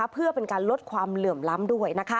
เพื่อเป็นการลดความเหลื่อมล้ำด้วย